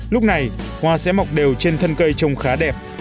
lúc này hoa sẽ mọc đều trên thân cây trông khá đẹp